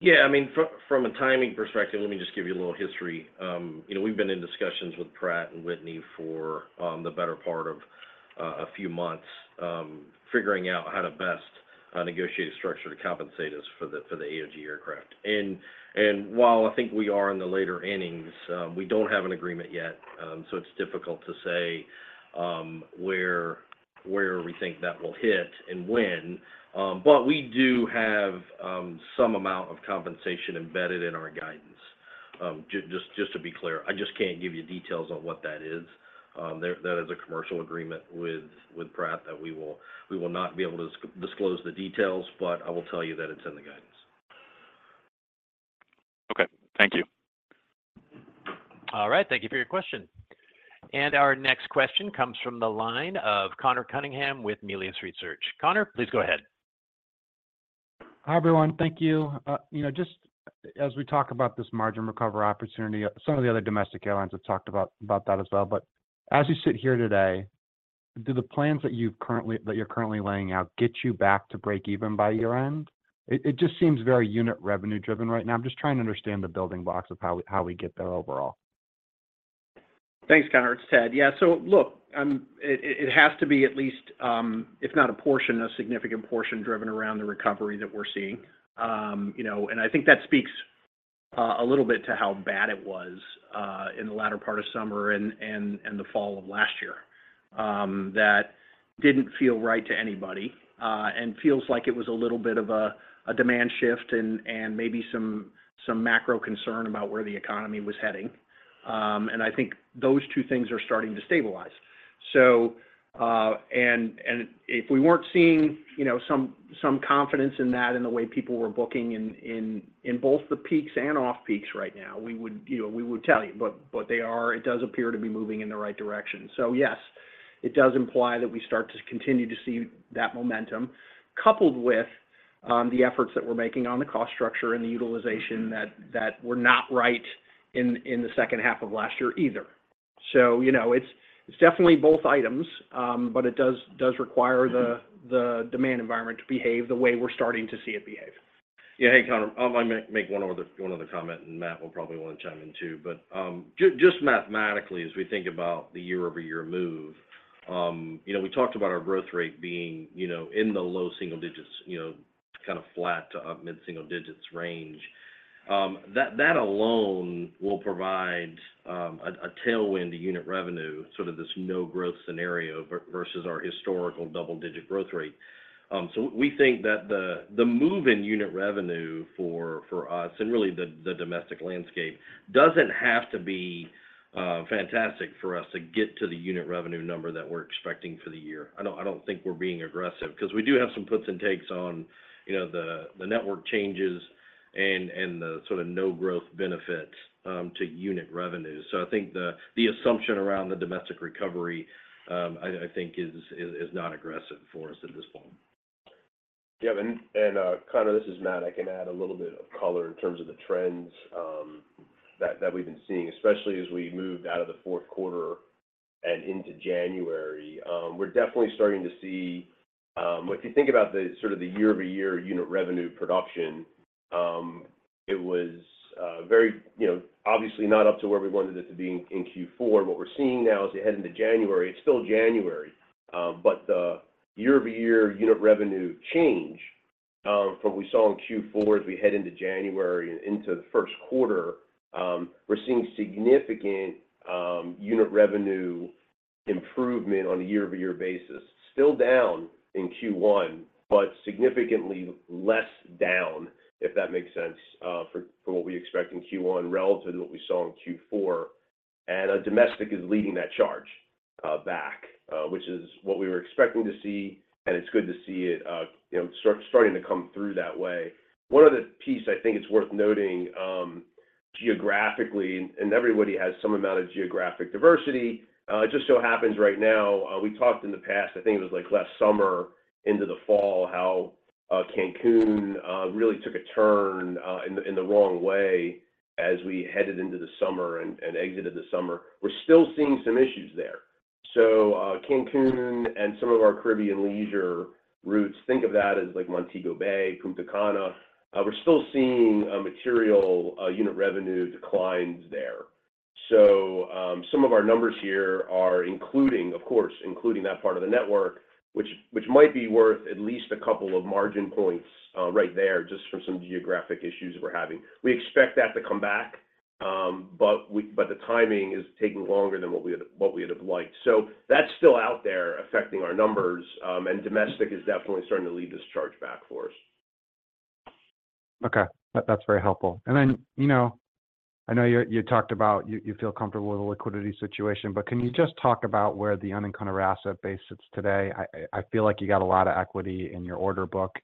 Yeah, I mean, from a timing perspective, let me just give you a little history. You know, we've been in discussions with Pratt & Whitney for the better part of a few months, figuring out how to best negotiate a structure to compensate us for the AOG aircraft. And while I think we are in the later innings, we don't have an agreement yet, so it's difficult to say where we think that will hit and when. But we do have some amount of compensation embedded in our guidance. Just to be clear, I just can't give you details on what that is. That is a commercial agreement with Pratt that we will not be able to disclose the details, but I will tell you that it's in the guidance. Okay, thank you. All right. Thank you for your question. And our next question comes from the line of Conor Cunningham with Melius Research. Coor, please go ahead. Hi, everyone. Thank you. You know, just as we talk about this margin recovery opportunity, some of the other domestic airlines have talked about that as well. But as you sit here today, do the plans that you're currently laying out get you back to break even by year-end? It just seems very unit revenue-driven right now. I'm just trying to understand the building blocks of how we get there overall. Thanks, Connor. It's Ted. Yeah, so look, it has to be at least, if not a portion, a significant portion driven around the recovery that we're seeing. You know, and I think that speaks a little bit to how bad it was in the latter part of summer and the fall of last year. That didn't feel right to anybody, and feels like it was a little bit of a demand shift and maybe some macro concern about where the economy was heading. And I think those two things are starting to stabilize. So, if we weren't seeing, you know, some confidence in that in the way people were booking in both the peaks and off-peaks right now, we would, you know, we would tell you. But they are. It does appear to be moving in the right direction. So yes, it does imply that we start to continue to see that momentum, coupled with the efforts that we're making on the cost structure and the utilization that were not right in the second half of last year either. So, you know, it's definitely both items, but it does require the demand environment to behave the way we're starting to see it behave. Yeah. Hey, Conor, I'll make one other comment, and Matt will probably want to chime in, too. But just mathematically, as we think about the year-over-year move, you know, we talked about our growth rate being, you know, in the low single digits, you know, kind of flat to mid-single digits range. That alone will provide a tailwind to unit revenue, sort of this no-growth scenario versus our historical double-digit growth rate. So we think that the move in unit revenue for us, and really the domestic landscape, doesn't have to be fantastic for us to get to the unit revenue number that we're expecting for the year. I don't think we're being aggressive, because we do have some puts and takes on, you know, the network changes and the sort of no-growth benefits to unit revenues. So I think the assumption around the domestic recovery I think is not aggressive for us at this point. Yeah, and Conor, this is Matt. I can add a little bit of color in terms of the trends that we've been seeing, especially as we moved out of the fourth quarter and into January. We're definitely starting to see... If you think about the sort of the year-over-year unit revenue production, it was very, you know, obviously not up to where we wanted it to be in Q4. What we're seeing now, as we head into January, it's still January, but the year-over-year unit revenue change from what we saw in Q4 as we head into January and into the first quarter, we're seeing significant unit revenue improvement on a year-over-year basis. Still down in Q1, but significantly less down, if that makes sense, from what we expect in Q1 relative to what we saw in Q4. Domestic is leading that charge back, which is what we were expecting to see, and it's good to see it, you know, starting to come through that way. One other piece I think it's worth noting, geographically, and everybody has some amount of geographic diversity, it just so happens right now, we talked in the past, I think it was like last summer into the fall, how Cancun really took a turn in the wrong way as we headed into the summer and exited this summer. We're still seeing some issues there. So, Cancun and some of our Caribbean leisure routes, think of that as like Montego Bay, Punta Cana, we're still seeing material unit revenue declines there. So, some of our numbers here are including, of course, including that part of the network, which might be worth at least a couple of margin points right there, just from some geographic issues that we're having. We expect that to come back, but the timing is taking longer than what we would have liked. So that's still out there affecting our numbers, and domestic is definitely starting to lead this charge back for us. Okay. That's very helpful. And then, you know, I know you talked about you feel comfortable with the liquidity situation, but can you just talk about where the unencumbered asset base sits today? I feel like you got a lot of equity in your order book.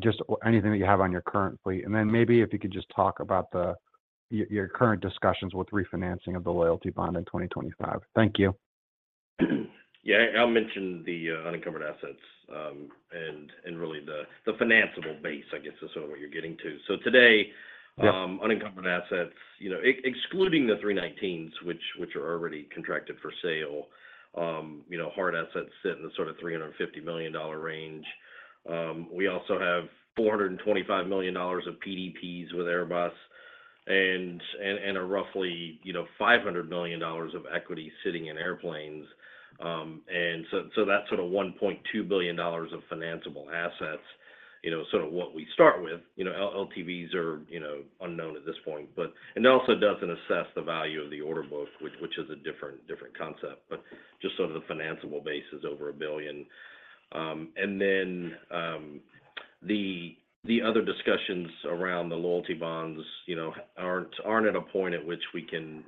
Just anything that you have on your current fleet. And then maybe if you could just talk about your current discussions with refinancing of the loyalty bond in 2025. Thank you.... Yeah, I'll mention the uncovered assets, and really the financeable base, I guess, is sort of what you're getting to. So today- Yeah Unencumbered assets, you know, excluding the 319s, which are already contracted for sale, you know, hard assets sit in the sort of $350 million range. We also have $425 million of PDPs with Airbus, and a roughly, you know, $500 million of equity sitting in airplanes. And so that's sort of $1.2 billion of financeable assets, you know, sort of what we start with. You know, LTVs are, you know, unknown at this point, but... And it also doesn't assess the value of the order book, which is a different concept, but just sort of the financeable base is over $1 billion. And then, the other discussions around the loyalty bonds, you know, aren't at a point at which we can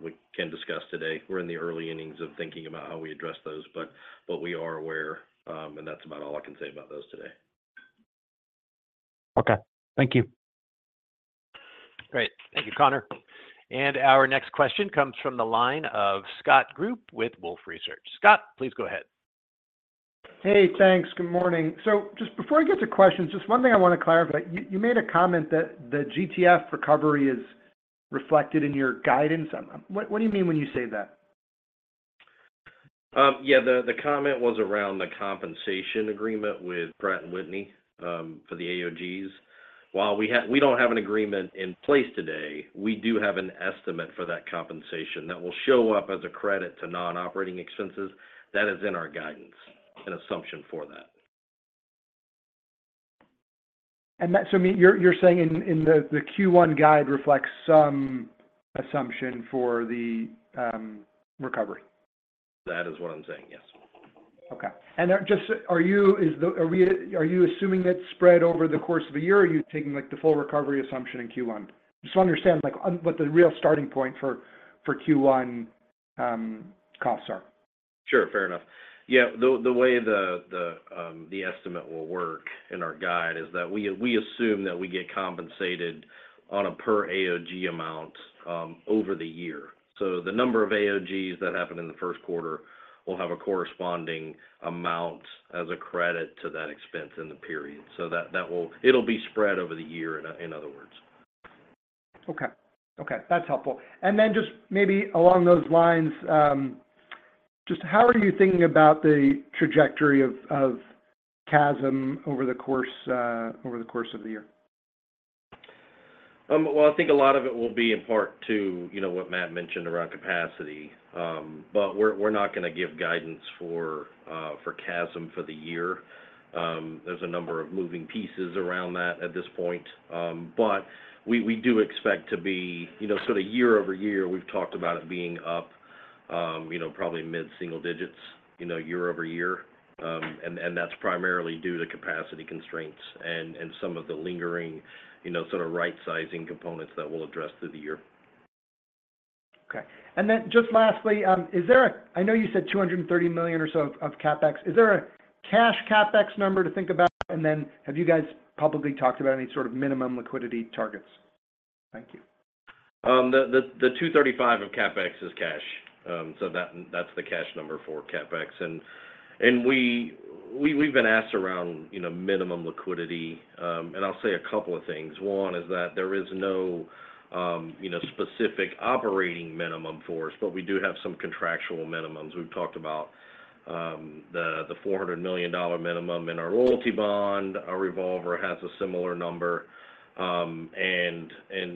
discuss today. We're in the early innings of thinking about how we address those, but we are aware, and that's about all I can say about those today. Okay. Thank you. Great. Thank you, Conor. Our next question comes from the line of Scott Group with Wolfe Research. Scott, please go ahead. Hey, thanks. Good morning. So just before I get to questions, just one thing I want to clarify. You made a comment that the GTF recovery is reflected in your guidance. What do you mean when you say that? Yeah, the comment was around the compensation agreement with Pratt & Whitney for the AOGs. While we don't have an agreement in place today, we do have an estimate for that compensation that will show up as a credit to non-operating expenses. That is in our guidance, an assumption for that. So, you're saying in the Q1 guide reflects some assumption for the recovery? That is what I'm saying, yes. Okay. And then just, are you assuming that's spread over the course of a year, or are you taking, like, the full recovery assumption in Q1? Just to understand, like, what the real starting point for Q1 costs are. Sure, fair enough. Yeah, the way the estimate will work in our guide is that we assume that we get compensated on a per AOG amount over the year. So the number of AOGs that happen in the first quarter will have a corresponding amount as a credit to that expense in the period. So that will- it'll be spread over the year, in other words. Okay. Okay, that's helpful. And then just maybe along those lines, just how are you thinking about the trajectory of CASM over the course of the year? Well, I think a lot of it will be in part to, you know, what Matt mentioned around capacity. But we're not going to give guidance for CASM for the year. There's a number of moving pieces around that at this point. But we do expect to be, you know, sort of year over year, we've talked about it being up, you know, probably mid-single digits, you know, year over year. And that's primarily due to capacity constraints and some of the lingering, you know, sort of right-sizing components that we'll address through the year. Okay. And then just lastly, is there a—I know you said $230 million or so of CapEx. Is there a cash CapEx number to think about? And then have you guys publicly talked about any sort of minimum liquidity targets? Thank you. The $235 million of CapEx is cash. So that's the cash number for CapEx. And we've been asked around, you know, minimum liquidity, and I'll say a couple of things. One is that there is no, you know, specific operating minimum for us, but we do have some contractual minimums. We've talked about the $400 million minimum in our loyalty bond. Our revolver has a similar number. And,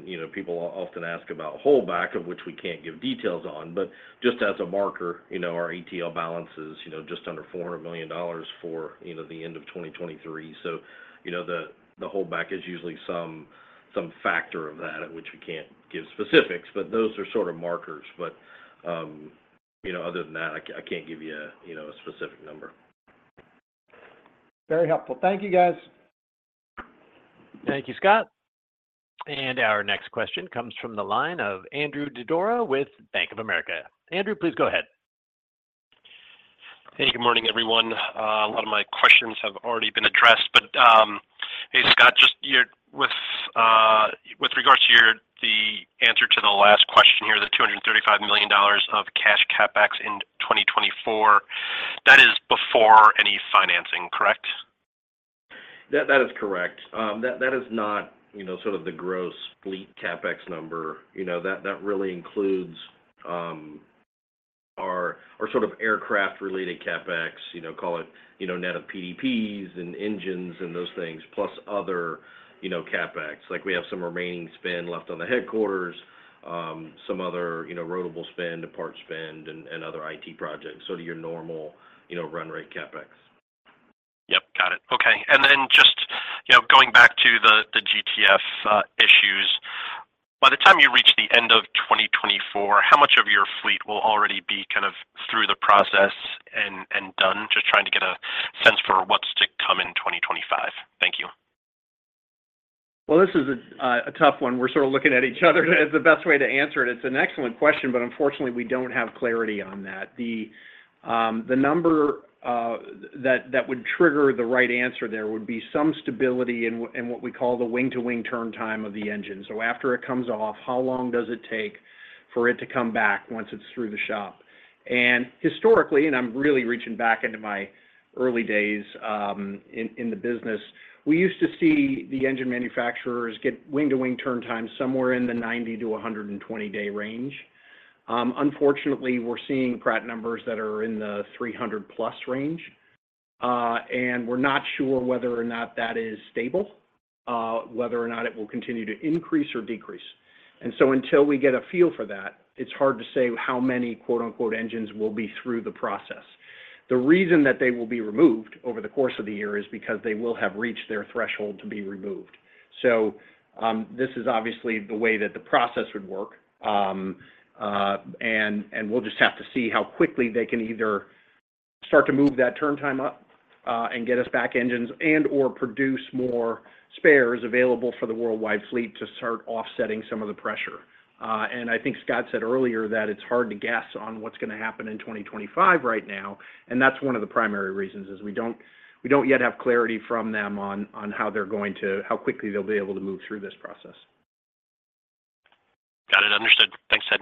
you know, people often ask about holdback, of which we can't give details on, but just as a marker, you know, our ATL balance is, you know, just under $400 million for the end of 2023. So, you know, the holdback is usually some factor of that, at which we can't give specifics, but those are sort of markers. But, you know, other than that, I can't give you a specific number. Very helpful. Thank you, guys. Thank you, Scott. Our next question comes from the line of Andrew Didora with Bank of America. Andrew, please go ahead. Hey, good morning, everyone. A lot of my questions have already been addressed, but, hey, Scott, just with regards to the answer to the last question here, the $235 million of cash CapEx in 2024, that is before any financing, correct? That, that is correct. That, that is not, you know, sort of the gross fleet CapEx number. You know, that, that really includes, our, our sort of aircraft-related CapEx, you know, call it, you know, net of PDPs and engines and those things, plus other, you know, CapEx. Like, we have some remaining spend left on the headquarters, some other, you know, rotatable spend, parts spend, and, and other IT projects. So to your normal, you know, run rate CapEx. Yep, got it. Okay, and then just, you know, going back to the GTF issues, by the time you reach the end of 2024, how much of your fleet will already be kind of through the process and done? Just trying to get a sense for what's to come in 2025. Thank you. Well, this is a tough one. We're sort of looking at each other as the best way to answer it. It's an excellent question, but unfortunately, we don't have clarity on that. The number that would trigger the right answer there would be some stability in what we call the wing-to-wing turn time of the engine. So after it comes off, how long does it take-... for it to come back once it's through the shop. Historically, and I'm really reaching back into my early days, in, in the business, we used to see the engine manufacturers get wing-to-wing turn times somewhere in the 90-120-day range. Unfortunately, we're seeing Pratt numbers that are in the 300+ range. And we're not sure whether or not that is stable, whether or not it will continue to increase or decrease. So until we get a feel for that, it's hard to say how many, quote-unquote, engines will be through the process. The reason that they will be removed over the course of the year is because they will have reached their threshold to be removed. So, this is obviously the way that the process would work. We'll just have to see how quickly they can either start to move that turn time up, and get us back engines and/or produce more spares available for the worldwide fleet to start offsetting some of the pressure. I think Scott said earlier that it's hard to guess on what's going to happen in 2025 right now, and that's one of the primary reasons, is we don't yet have clarity from them on how they're going to how quickly they'll be able to move through this process. Got it. Understood. Thanks, Ted.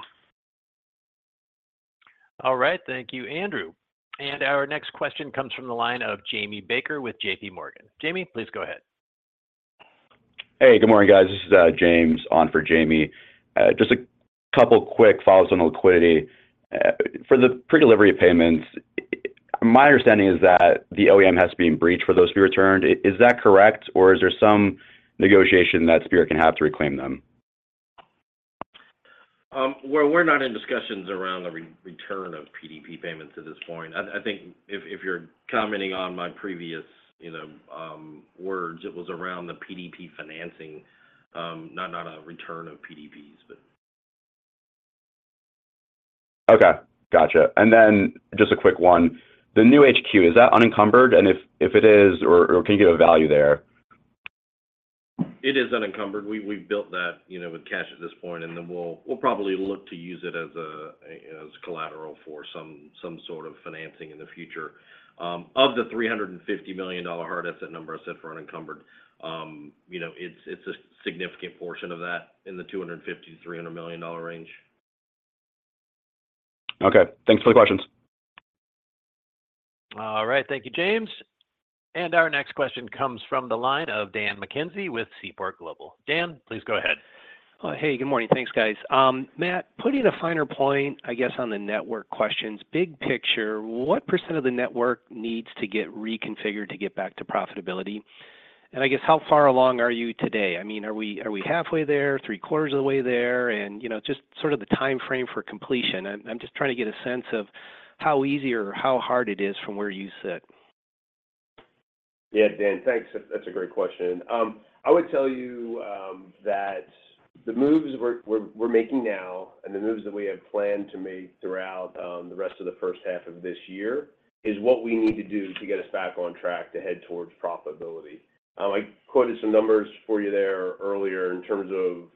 All right. Thank you, Andrew. And our next question comes from the line of Jamie Baker with JPMorgan. Jamie, please go ahead. Hey, good morning, guys. This is, James on for Jamie. Just a couple quick follows on liquidity. For the pre-delivery payments, my understanding is that the OEM has to be in breach for those to be returned. Is that correct, or is there some negotiation that Spirit can have to reclaim them? Well, we're not in discussions around the return of PDP payments at this point. I think if you're commenting on my previous, you know, words, it was around the PDP financing, not a return of PDPs, but... Okay. Gotcha. And then just a quick one. The new HQ, is that unencumbered? And if it is, or can you give a value there? It is unencumbered. We, we've built that, you know, with cash at this point, and then we'll probably look to use it as a collateral for some sort of financing in the future. Of the $350 million hard asset number I said for unencumbered, you know, it's a significant portion of that in the $250-$300 million range. Okay, thanks for the questions. All right. Thank you, James. And our next question comes from the line of Dan McKenzie with Seaport Global. Dan, please go ahead. Hey, good morning. Thanks, guys. Matt, putting a finer point, I guess, on the network questions, big picture, what % of the network needs to get reconfigured to get back to profitability? And I guess, how far along are you today? I mean, are we, are we halfway there, three-quarters of the way there, and, you know, just sort of the time frame for completion. I'm just trying to get a sense of how easy or how hard it is from where you sit. Yeah, Dan, thanks. That's a great question. I would tell you that the moves we're making now and the moves that we have planned to make throughout the rest of the first half of this year is what we need to do to get us back on track to head towards profitability. I quoted some numbers for you there earlier in terms of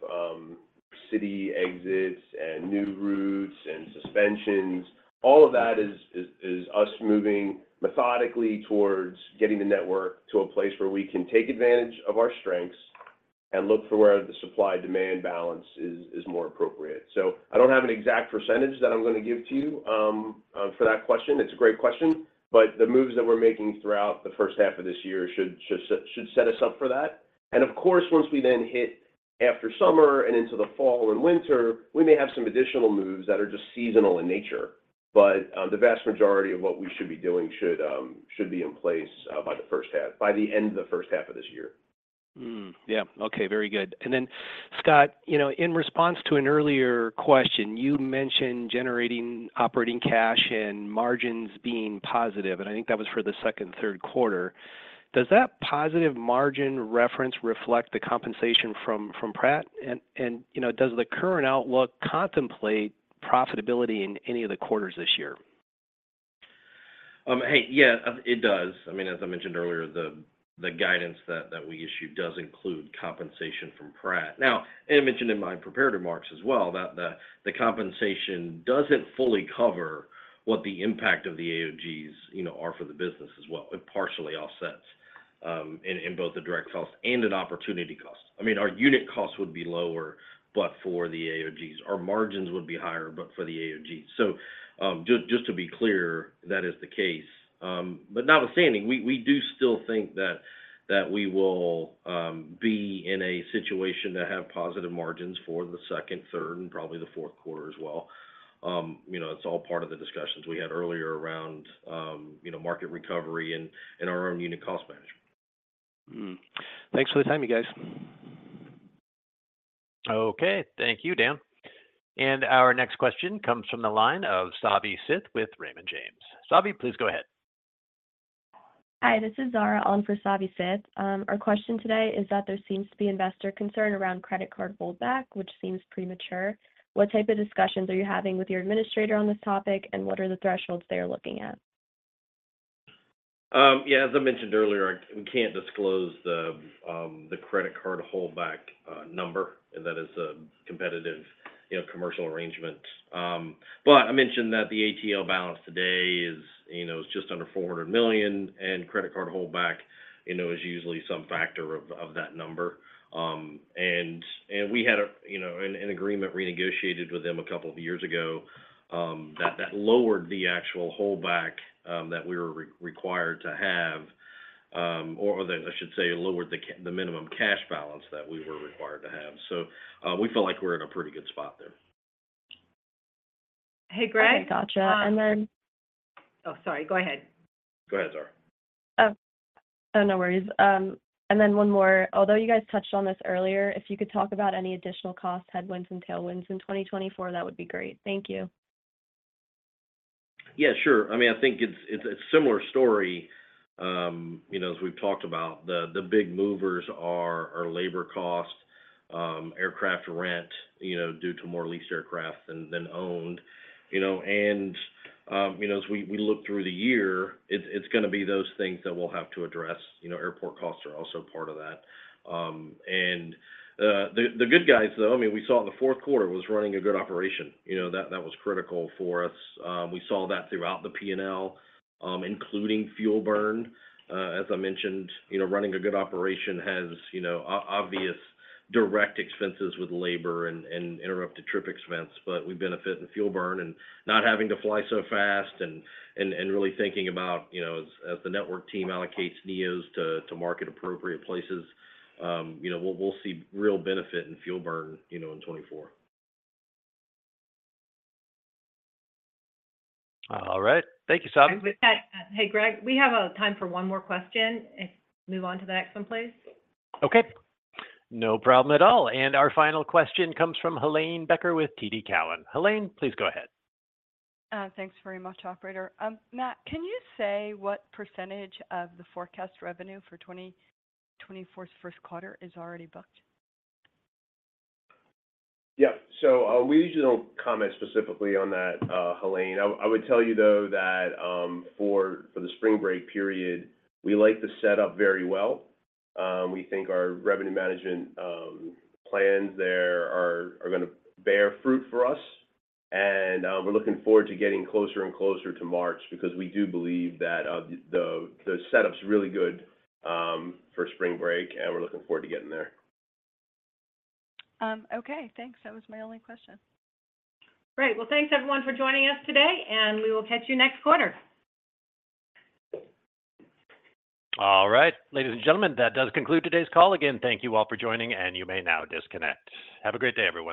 city exits and new routes and suspensions. All of that is us moving methodically towards getting the network to a place where we can take advantage of our strengths and look for where the supply-demand balance is more appropriate. So I don't have an exact percentage that I'm going to give to you for that question. It's a great question, but the moves that we're making throughout the first half of this year should set us up for that. And of course, once we then hit after summer and into the fall and winter, we may have some additional moves that are just seasonal in nature, but the vast majority of what we should be doing should be in place by the first half, by the end of the first half of this year. Hmm. Yeah. Okay, very good. And then, Scott, you know, in response to an earlier question, you mentioned generating operating cash and margins being positive, and I think that was for the second and third quarter. Does that positive margin reference reflect the compensation from Pratt? And, you know, does the current outlook contemplate profitability in any of the quarters this year? Hey, yeah, it does. I mean, as I mentioned earlier, the guidance that we issued does include compensation from Pratt. Now, I mentioned in my prepared remarks as well, that the compensation doesn't fully cover what the impact of the AOGs, you know, are for the business as well. It partially offsets in both the direct costs and in opportunity costs. I mean, our unit costs would be lower, but for the AOGs, our margins would be higher, but for the AOGs. So, just to be clear, that is the case. But notwithstanding, we do still think that we will be in a situation to have positive margins for the second, third, and probably the fourth quarter as well. You know, it's all part of the discussions we had earlier around, you know, market recovery and our own unit cost management. Hmm. Thanks for the time, you guys. Okay. Thank you, Dan. Our next question comes from the line of Savi Syth with Raymond James. Savi, please go ahead. Hi, this is Zara, on for Savi Syth. Our question today is that there seems to be investor concern around credit card holdback, which seems premature. What type of discussions are you having with your administrator on this topic, and what are the thresholds they are looking at? Yeah, as I mentioned earlier, we can't disclose the credit card holdback number, and that is a competitive, you know, commercial arrangement. But I mentioned that the ATL balance today is, you know, just under $400 million, and credit card holdback, you know, is usually some factor of that number. And we had a, you know, an agreement renegotiated with them a couple of years ago that lowered the actual holdback that we were required to have. Or that I should say lowered the minimum cash balance that we were required to have. So, we feel like we're in a pretty good spot there. Hey, Greg- Okay, gotcha. And then- Oh, sorry, go ahead. Go ahead, Zara. Oh. Oh, no worries. And then one more, although you guys touched on this earlier, if you could talk about any additional costs, headwinds, and tailwinds in 2024, that would be great. Thank you. Yeah, sure. I mean, I think it's a similar story. You know, as we've talked about, the big movers are our labor costs, aircraft rent, you know, due to more leased aircraft than owned. You know, and, you know, as we look through the year, it's gonna be those things that we'll have to address. You know, airport costs are also part of that. And, the good guys, though, I mean, we saw in the fourth quarter was running a good operation. You know, that was critical for us. We saw that throughout the P&L, including fuel burn. As I mentioned, you know, running a good operation has, you know, obvious direct expenses with labor and interrupted trip expense, but we benefit in fuel burn and not having to fly so fast and really thinking about, you know, as the network team allocates NEOs to market appropriate places, you know, we'll see real benefit in fuel burn, you know, in 2024. All right. Thank you, Sara. Hey, Greg, we have time for one more question. Let's move on to the next one, please. Okay, no problem at all. Our final question comes from Helane Becker with TD Cowen. Helane, please go ahead. Thanks very much, operator. Matt, can you say what percentage of the forecast revenue for 2024's first quarter is already booked? Yeah. So, we usually don't comment specifically on that, Helane. I would tell you, though, that for the spring break period, we like the setup very well. We think our revenue management plans there are gonna bear fruit for us, and we're looking forward to getting closer and closer to March because we do believe that the setup's really good for spring break, and we're looking forward to getting there. Okay, thanks. That was my only question. Great. Well, thanks everyone for joining us today, and we will catch you next quarter. All right, ladies and gentlemen, that does conclude today's call. Again, thank you all for joining, and you may now disconnect. Have a great day, everyone.